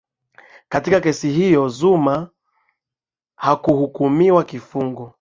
katika kesi hiyo zuma hakuhukumiwa kifungo